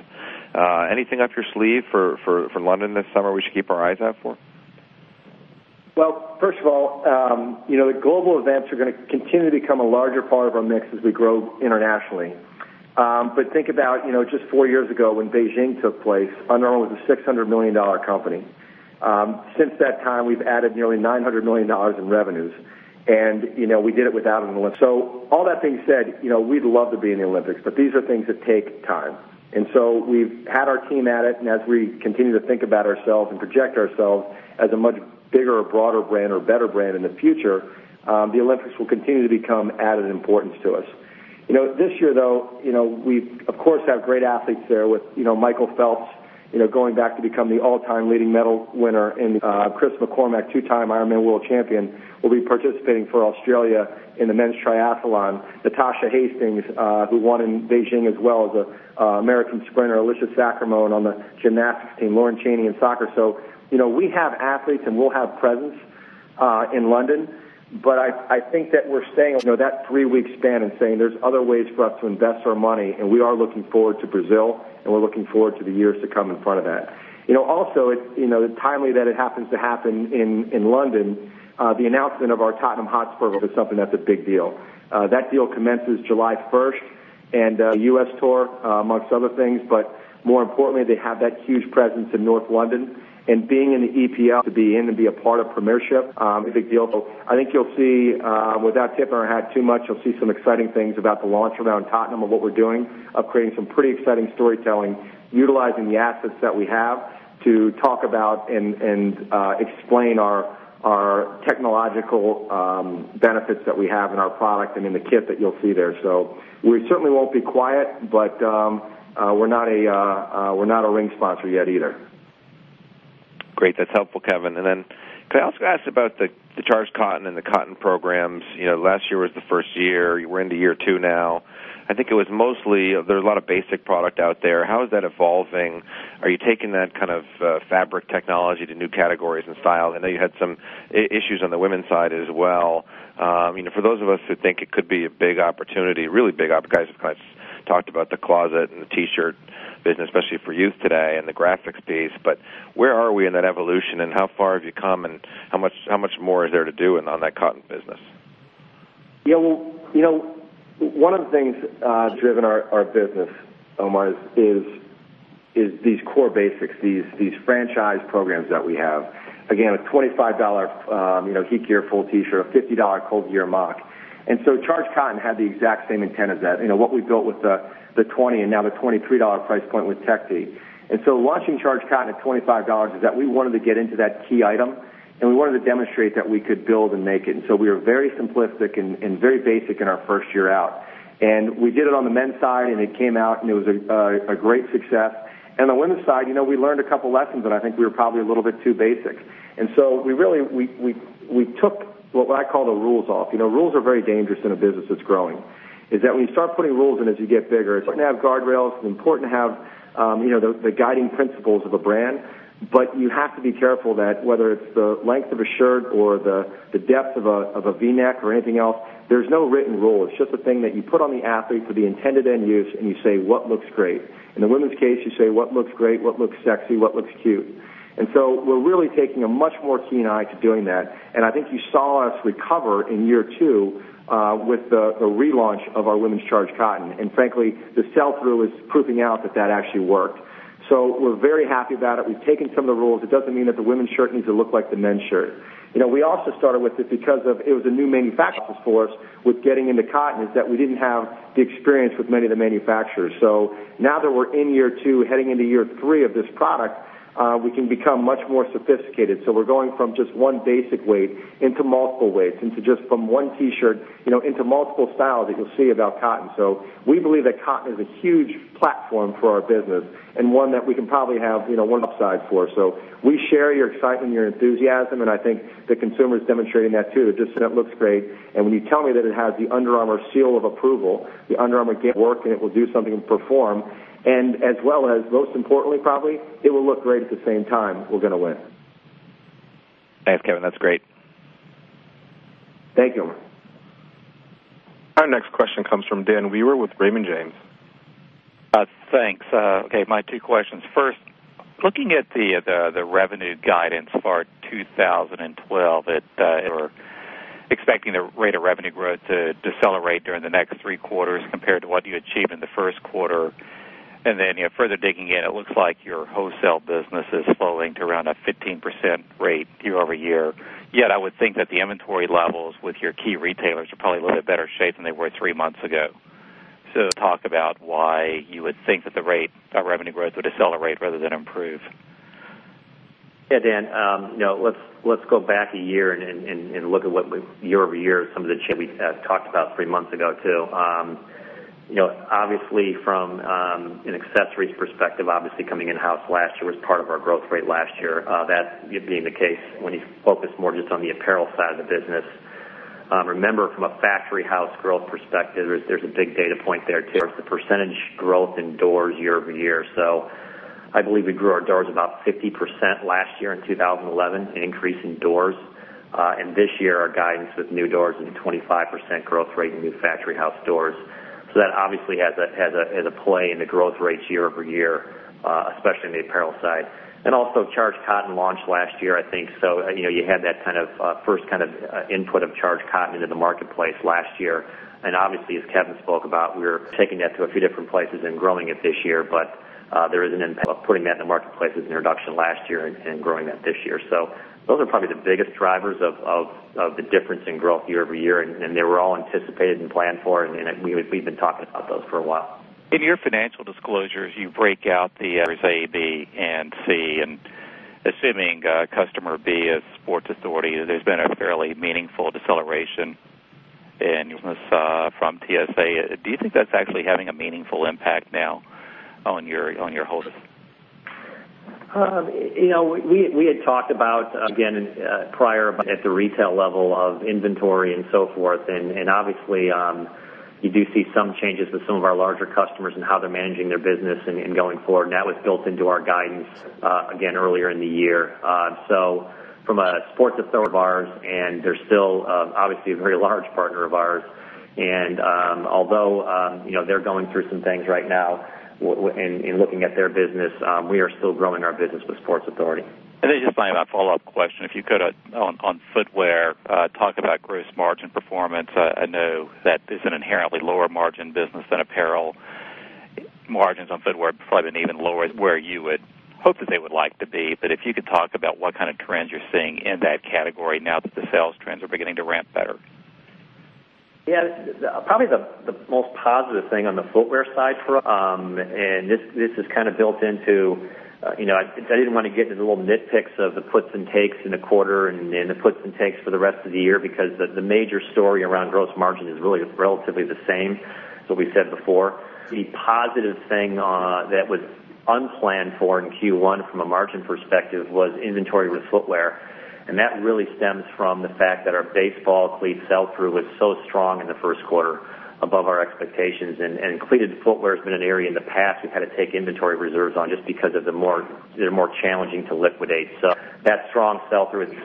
I: Anything up your sleeve for London this summer we should keep our eyes out for?
C: Well, first of all, the global events are going to continue to become a larger part of our mix as we grow internationally. Think about just four years ago when Beijing took place, Under Armour was a $600 million company. Since that time, we've added nearly $900 million in revenues, and we did it without an Olympic. All that being said, we'd love to be in the Olympics, these are things that take time. We've had our team at it, and as we continue to think about ourselves and project ourselves as a much bigger, broader brand or better brand in the future, the Olympics will continue to become added importance to us. This year, though, we of course, have great athletes there with Michael Phelps, going back to become the all-time leading medal winner, Chris McCormack, two-time Ironman World Champion, will be participating for Australia in the men's triathlon. Natasha Hastings, who won in Beijing as well, the American sprinter, Alicia Sacramone on the gymnastics team, Lauren Cheney in soccer. We have athletes and we'll have presence in London, I think that we're staying-- that three-week span and saying there's other ways for us to invest our money. We are looking forward to Brazil, we're looking forward to the years to come in front of that. Also, it's timely that it happens to happen in London. The announcement of our Tottenham Hotspur was something that's a big deal. That deal commences July 1st, and the U.S. tour, amongst other things. More importantly, they have that huge presence in North London and being in the EPL to be in and be a part of Premiership, a big deal. I think you'll see, without tipping our hat too much, you'll see some exciting things about the launch around Tottenham of what we're doing, of creating some pretty exciting storytelling, utilizing the assets that we have to talk about and explain our technological benefits that we have in our product and in the kit that you'll see there. We certainly won't be quiet, but we're not a ring sponsor yet either.
I: Great. That's helpful, Kevin. Could I also ask about the Charged Cotton and the cotton programs? Last year was the first year. You were into year 2 now. I think it was mostly, there's a lot of basic product out there. How is that evolving? Are you taking that kind of fabric technology to new categories and style? I know you had some issues on the women's side as well. For those of us who think it could be a big opportunity, really big opportunity, guys have kind of talked about the closet and the T-shirt business, especially for youth today and the graphics piece. Where are we in that evolution and how far have you come, and how much more is there to do on that cotton business?
C: One of the things that's driven our business, Omar, is these core basics, these franchise programs that we have. Again, a $25 HeatGear full T-shirt, a $50 ColdGear mock. Charged Cotton had the exact same intent as that. What we built with the $20 and now the $23 price point with Tech Tee. Launching Charged Cotton at $25 is that we wanted to get into that key item, and we wanted to demonstrate that we could build and make it. We were very simplistic and very basic in our first year out. We did it on the men's side, and it came out, and it was a great success. On the women's side, we learned a couple lessons, and I think we were probably a little bit too basic. We took what I call the rules off. Rules are very dangerous in a business that's growing, is that when you start putting rules in as you get bigger, it's important to have guardrails. It's important to have the guiding principles of a brand. You have to be careful that whether it's the length of a shirt or the depth of a V-neck or anything else, there's no written rule. It's just a thing that you put on the athlete for the intended end use, and you say, what looks great. In the women's case, you say, what looks great, what looks sexy, what looks cute. We're really taking a much more keen eye to doing that. I think you saw us recover in year 2 with the relaunch of our women's Charged Cotton. Frankly, the sell-through is proving out that that actually worked. We're very happy about it. We've taken some of the rules. It doesn't mean that the women's shirt needs to look like the men's shirt. We also started with it because it was a new manufacturing source with getting into cotton, is that we didn't have the experience with many of the manufacturers. Now that we're in year two, heading into year three of this product, we can become much more sophisticated. We're going from just one basic weight into multiple weights, into just from one T-shirt into multiple styles that you'll see about cotton. We believe that cotton is a huge platform for our business and one that we can probably have one upside for. We share your excitement, your enthusiasm, and I think the consumer is demonstrating that, too. Just saying it looks great, and when you tell me that it has the Under Armour seal of approval, the Under Armour gear work, and it will do something and perform, and as well as, most importantly, probably, it will look great at the same time, we're going to win.
I: Thanks, Kevin. That's great.
C: Thank you, Omar.
A: Our next question comes from Dan Wewer with Raymond James.
J: Thanks. Okay, my two questions. First, looking at the revenue guidance for 2012, that you were expecting the rate of revenue growth to decelerate during the next three quarters compared to what you achieved in the first quarter. Further digging in, it looks like your wholesale business is slowing to around a 15% rate year-over-year. Yet, I would think that the inventory levels with your key retailers are probably a little bit better shape than they were three months ago. Talk about why you would think that the rate of revenue growth would decelerate rather than improve.
D: Yeah, Dan. Let's go back a year and look at what year-over-year, some of the shifts we talked about three months ago, too. Obviously, from an accessories perspective, obviously coming in-house last year was part of our growth rate last year. That being the case, when you focus more just on the apparel side of the business, remember from a Factory House growth perspective, there's a big data point there too. It's the percentage growth in doors year-over-year. I believe we grew our doors about 50% last year in 2011, an increase in doors. This year, our guidance with new doors is a 25% growth rate in new Factory House doors. That obviously has a play in the growth rates year-over-year, especially in the apparel side. Also Charged Cotton launched last year, I think. You had that first input of Charged Cotton into the marketplace last year. Obviously, as Kevin spoke about, we're taking that to a few different places and growing it this year, but there is an impact of putting that in the marketplace as an introduction last year and growing that this year. Those are probably the biggest drivers of the difference in growth year-over-year, and they were all anticipated and planned for, and we've been talking about those for a while.
J: In your financial disclosures, you break out the A, B, and C. Assuming customer B is Sports Authority, there's been a fairly meaningful deceleration in business from TSA. Do you think that's actually having a meaningful impact now on your holistic?
D: We had talked about, again, prior at the retail level of inventory and so forth. Obviously, you do see some changes with some of our larger customers and how they're managing their business and going forward. That was built into our guidance, again, earlier in the year. From a Sports Authority of ours, they're still obviously a very large partner of ours. Although they're going through some things right now in looking at their business, we are still growing our business with Sports Authority.
J: Just my follow-up question, if you could, on footwear, talk about gross margin performance. I know that it's an inherently lower margin business than apparel. Margins on footwear are probably even lower where you would hope that they would like to be. If you could talk about what kind of trends you're seeing in that category now that the sales trends are beginning to ramp better.
D: Yeah. Probably the most positive thing on the footwear side for us. I didn't want to get into the little nitpicks of the puts and takes in the quarter and the puts and takes for the rest of the year because the major story around gross margin is really relatively the same as what we said before. The positive thing that was unplanned for in Q1 from a margin perspective was inventory with footwear. That really stems from the fact that our baseball cleat sell-through was so strong in the first quarter above our expectations. Cleated footwear has been an area in the past we've had to take inventory reserves on just because they're more challenging to liquidate. That strong sell-through has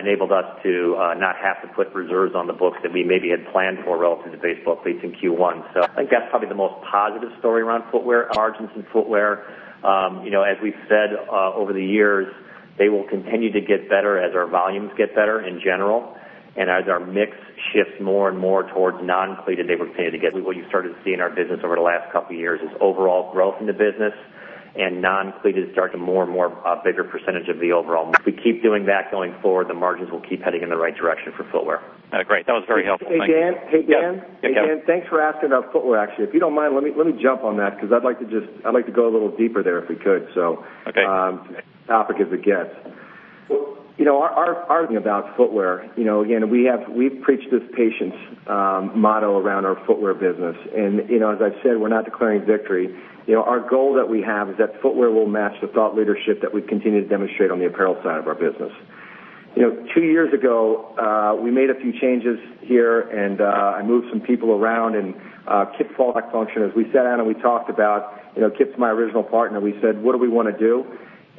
D: enabled us to not have to put reserves on the books that we maybe had planned for relative to baseball cleats in Q1. I think that's probably the most positive story around footwear. Our margins in footwear, as we've said over the years, they will continue to get better as our volumes get better in general. As our mix shifts more and more towards non-cleated, what you started to see in our business over the last couple of years is overall growth in the business and non-cleated starting to more and more a bigger percentage of the overall. If we keep doing that going forward, the margins will keep heading in the right direction for footwear.
J: Great. That was very helpful. Thank you.
C: Hey, Dan?
J: Yes.
C: Hey, Dan?
J: Yeah, Kevin.
C: Thanks for asking about footwear, actually. If you don't mind, let me jump on that because I'd like to go a little deeper there if we could.
J: Okay.
C: As topic as it gets. Our argument about footwear, again, we've preached this patience motto around our footwear business. As I've said, we're not declaring victory. Our goal that we have is that footwear will match the thought leadership that we continue to demonstrate on the apparel side of our business. Two years ago, we made a few changes here and I moved some people around and Kip Fulks function, as we sat down and we talked about. Kip's my original partner. We said, "What do we want to do?"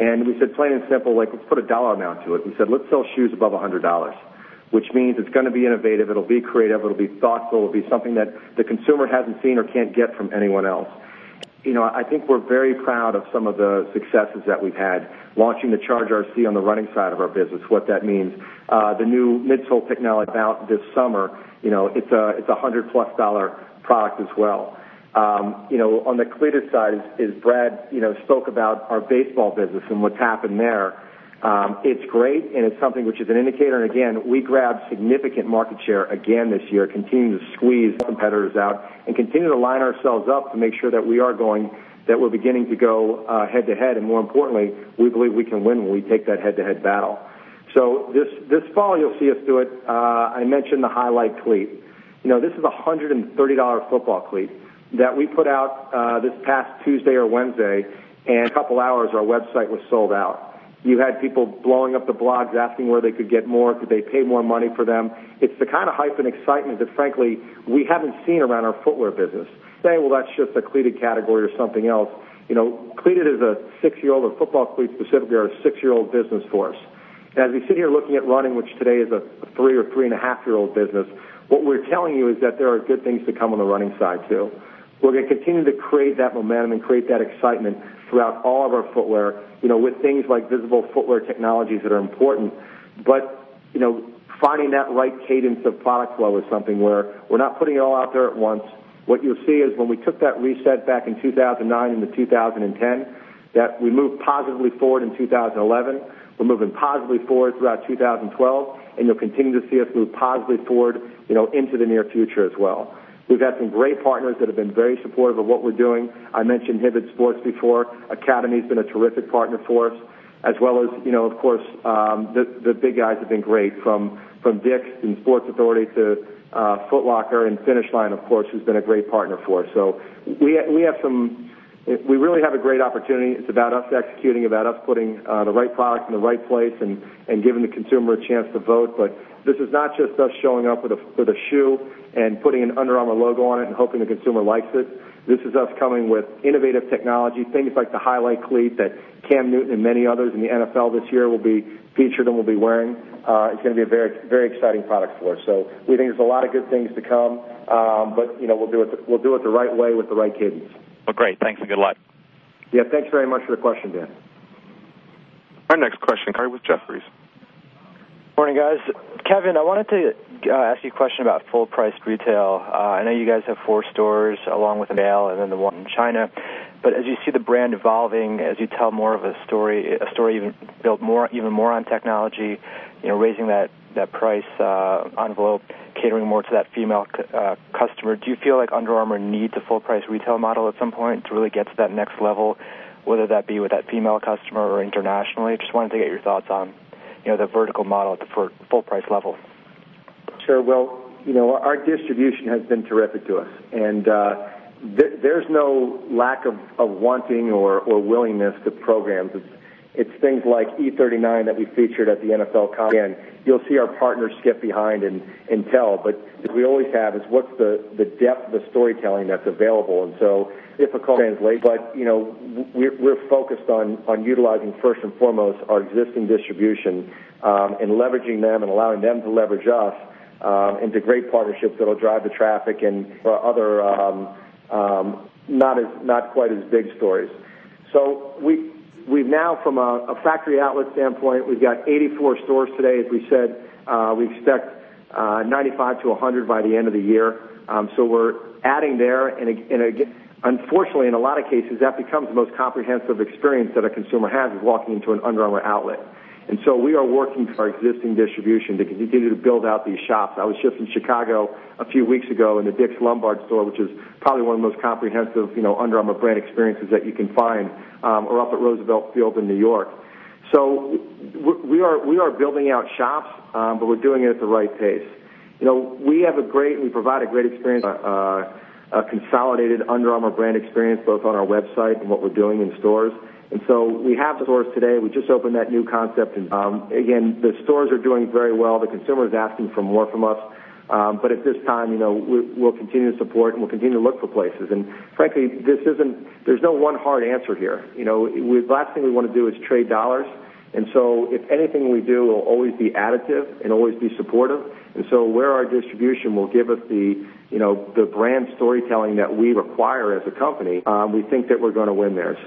C: We said, plain and simple, let's put a dollar amount to it. We said, "Let's sell shoes above $100," which means it's going to be innovative, it'll be creative, it'll be thoughtful, it'll be something that the consumer hasn't seen or can't get from anyone else. I think we're very proud of some of the successes that we've had launching the Charge RC on the running side of our business, what that means. The new midsole technology out this summer, it's a $100 plus product as well. On the cleated side, as Brad spoke about our baseball business and what's happened there. It's great and it's something which is an indicator. Again, we grabbed significant market share again this year, continuing to squeeze competitors out and continue to line ourselves up to make sure that we're beginning to go head-to-head, and more importantly, we believe we can win when we take that head-to-head battle. This fall, you'll see us do it. I mentioned the Highlight cleat. This is a $130 football cleat that we put out this past Tuesday or Wednesday, and in a couple of hours, our website was sold out. You had people blowing up the blogs asking where they could get more, could they pay more money for them. It's the kind of hype and excitement that frankly, we haven't seen around our footwear business. That's just a cleated category or something else. Cleated is a six-year-old football cleat specifically, or a six-year-old business for us. As we sit here looking at running, which today is a three or three-and-a-half-year-old business, what we're telling you is that there are good things to come on the running side, too. We're going to continue to create that momentum and create that excitement throughout all of our footwear, with things like visible footwear technologies that are important. Finding that right cadence of product flow is something where we're not putting it all out there at once. What you'll see is when we took that reset back in 2009 into 2010, that we moved positively forward in 2011. We're moving positively forward throughout 2012, and you'll continue to see us move positively forward into the near future as well. We've got some great partners that have been very supportive of what we're doing. I mentioned Hibbett Sports before. Academy has been a terrific partner for us, as well as, of course, the big guys have been great, from Dick's and Sports Authority to Foot Locker and Finish Line, of course, who's been a great partner for us. We really have a great opportunity. It's about us executing, about us putting the right product in the right place, and giving the consumer a chance to vote. This is not just us showing up with a shoe and putting an Under Armour logo on it and hoping the consumer likes it. This is us coming with innovative technology, things like the Highlight cleat that Cam Newton and many others in the NFL this year will be featured and will be wearing. It's going to be a very exciting product for us. We think there's a lot of good things to come. We'll do it the right way with the right cadence.
J: Well, great. Thanks, and good luck.
C: Yeah. Thanks very much for the question, Dan Weber.
A: Our next question comes from Randal Konik with Jefferies.
K: Morning, guys. Kevin, I wanted to ask you a question about full-priced retail. I know you guys have four stores along with the mall and then the one in China. As you see the brand evolving, as you tell more of a story, a story even built even more on technology, raising that price envelope, catering more to that female customer, do you feel like Under Armour needs a full-price retail model at some point to really get to that next level, whether that be with that female customer or internationally? Just wanted to get your thoughts on the vertical model at the full-price level.
C: Sure. Our distribution has been terrific to us, there's no lack of wanting or willingness to program. It's things like E39 that we featured at the NFL combine. You'll see our partners get behind and tell, as we always have, is what's the depth of the storytelling that's available? Difficult to translate. We're focused on utilizing first and foremost our existing distribution, leveraging them and allowing them to leverage us into great partnerships that'll drive the traffic and other not quite as big stories. We've now, from a factory outlet standpoint, we've got 84 stores today, as we said. We expect 95 to 100 by the end of the year. We're adding there and again, unfortunately, in a lot of cases, that becomes the most comprehensive experience that a consumer has is walking into an Under Armour outlet. We are working with our existing distribution to continue to build out these shops. I was just in Chicago a few weeks ago in the Dick's Lombard store, which is probably one of the most comprehensive Under Armour brand experiences that you can find, or up at Roosevelt Field in New York. We are building out shops, but we're doing it at the right pace. We provide a great experience, a consolidated Under Armour brand experience, both on our website and what we're doing in stores. We have the stores today. We just opened that new concept. Again, the stores are doing very well. The consumer is asking for more from us. At this time, we'll continue to support and we'll continue to look for places. Frankly, there's no one hard answer here. The last thing we want to do is trade dollars. If anything we do will always be additive and always be supportive. Where our distribution will give us the brand storytelling that we require as a company, we think that we're going to win there.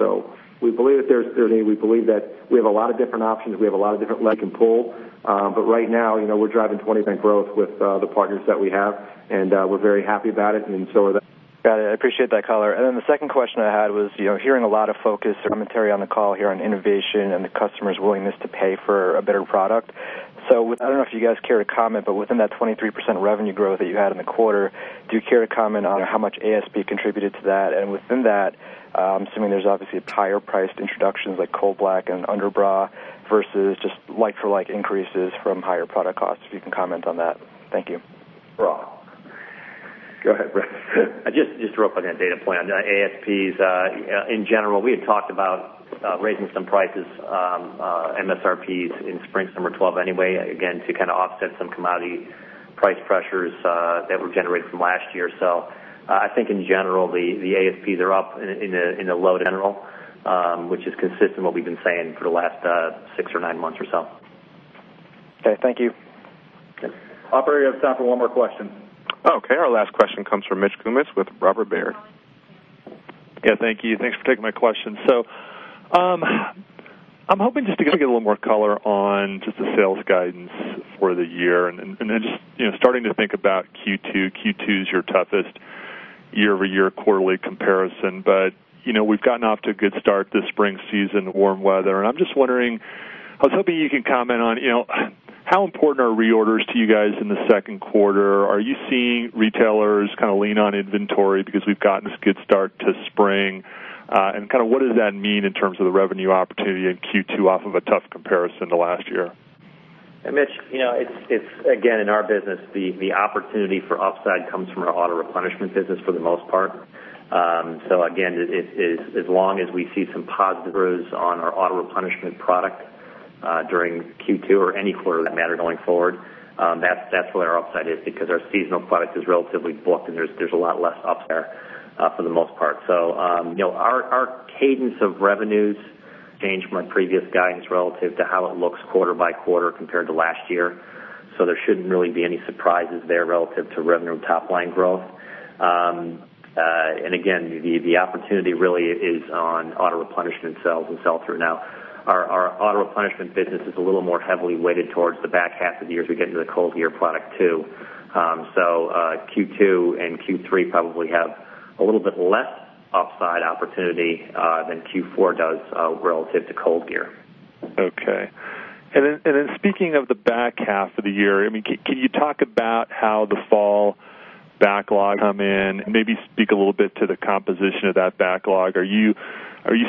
C: We believe that there's synergy. We believe that we have a lot of different options. We have a lot of different levers we can pull. Right now, we're driving 20% growth with the partners that we have, and we're very happy about it, and so are they.
K: Got it. I appreciate that color. The second question I had was, hearing a lot of focus, commentary on the call here on innovation and the customer's willingness to pay for a better product. I don't know if you guys care to comment, but within that 23% revenue growth that you had in the quarter, do you care to comment on how much ASP contributed to that? Within that, I'm assuming there's obviously higher priced introductions like Coldblack and Armour Bra versus just like for like increases from higher product costs, if you can comment on that. Thank you.
C: Brad. Go ahead, Brad.
D: Just real quick on that plan. ASPs, in general, we had talked about raising some prices, MSRPs in spring/summer 2012 anyway, again, to kind of offset some commodity price pressures that were generated from last year. I think in general, the ASPs are up in the low in general, which is consistent what we've been saying for the last six or nine months or so.
K: Okay, thank you.
C: Okay. Operator, you have time for one more question.
A: Okay, our last question comes from Mitch Kummetz with Robert W. Baird. One moment.
L: Yeah. Thank you. Thanks for taking my question. I'm hoping just to get a little more color on just the sales guidance for the year and then just starting to think about Q2. Q2's your toughest year-over-year quarterly comparison. We've gotten off to a good start this spring season, the warm weather, I was hoping you could comment on how important are reorders to you guys in the second quarter? Are you seeing retailers kind of lean on inventory because we've gotten this good start to spring? What does that mean in terms of the revenue opportunity in Q2 off of a tough comparison to last year?
D: Mitch, again, in our business, the opportunity for upside comes from our auto-replenishment business for the most part. Again, as long as we see some positive growth on our auto-replenishment product during Q2 or any quarter for that matter going forward, that's where our upside is because our seasonal product is relatively booked and there's a lot less up there for the most part. Our cadence of revenues changed my previous guidance relative to how it looks quarter-by-quarter compared to last year. There shouldn't really be any surprises there relative to revenue and top-line growth. Again, the opportunity really is on auto-replenishment sales and sell-through. Our auto-replenishment business is a little more heavily weighted towards the back half of the year as we get into the ColdGear product too. Q2 and Q3 probably have a little bit less upside opportunity than Q4 does relative to ColdGear.
L: Speaking of the back half of the year, can you talk about how the fall backlog came in? Maybe speak a little bit to the composition of that backlog. Are you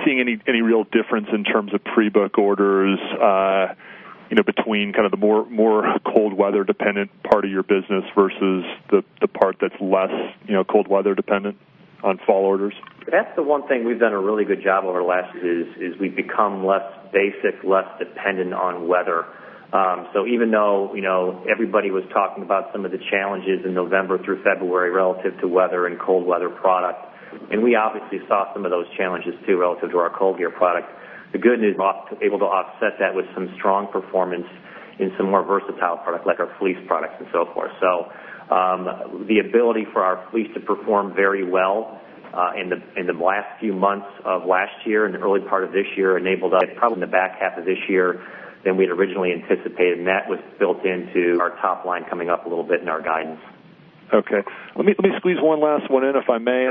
L: seeing any real difference in terms of pre-book orders between the more cold weather dependent part of your business versus the part that's less cold weather dependent on fall orders?
D: That's the one thing we've done a really good job over the last years, is we've become less basic, less dependent on weather. Even though everybody was talking about some of the challenges in November through February relative to weather and cold weather product, and we obviously saw some of those challenges too, relative to our ColdGear product. The good news, able to offset that with some strong performance in some more versatile product, like our fleece products and so forth. The ability for our fleece to perform very well in the last few months of last year and the early part of this year enabled us probably in the back half of this year than we had originally anticipated, and that was built into our top line coming up a little bit in our guidance.
L: Let me squeeze one last one in, if I may.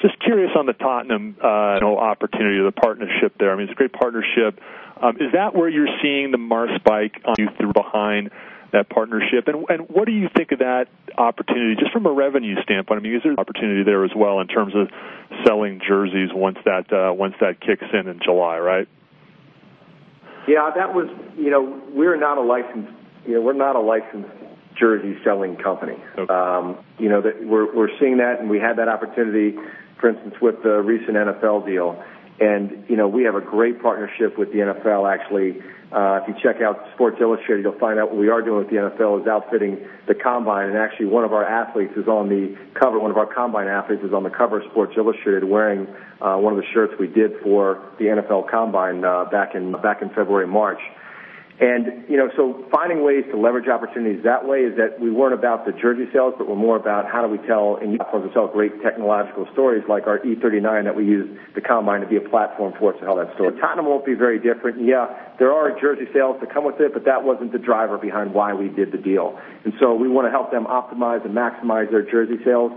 L: Just curious on the Tottenham opportunity or the partnership there. I mean, it's a great partnership. Is that where you're seeing the margin spike you threw behind that partnership? What do you think of that opportunity, just from a revenue standpoint? I mean, is there opportunity there as well in terms of selling jerseys once that kicks in in July, right?
C: Yeah. We're not a licensed jersey selling company.
L: Okay.
C: We're seeing that, and we had that opportunity, for instance, with the recent NFL deal. We have a great partnership with the NFL, actually. If you check out Sports Illustrated, you'll find out what we are doing with the NFL is outfitting the Combine, and actually, one of our Combine athletes is on the cover of Sports Illustrated wearing one of the shirts we did for the NFL Combine back in February, March. Finding ways to leverage opportunities that way is that we weren't about the jersey sales, but we're more about how do we tell and platforms that tell great technological stories like our E39 that we use the Combine to be a platform for us to tell that story. Tottenham won't be very different. Yeah, there are jersey sales that come with it, but that wasn't the driver behind why we did the deal. We want to help them optimize and maximize their jersey sales.